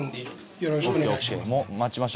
よろしくお願いします。